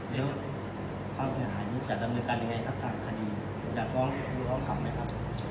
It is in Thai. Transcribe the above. แล้วความเสียหายนี่จากตำรวจการยังไงครับการคดีดาบฟ้องคุณต้องทำไหมครับ